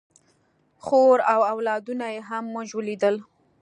خور او اولادونه یې هم موږ ولیدل.